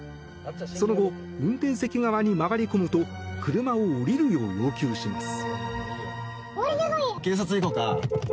その後、運転席側に回り込むと車を降りるよう要求します。